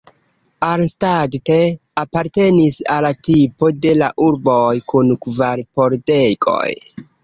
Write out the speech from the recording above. Arnstadt apartenis al la tipo de la urboj kun kvar pordegoj.